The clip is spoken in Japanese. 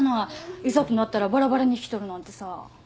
いざとなったらばらばらに引き取るなんてさ。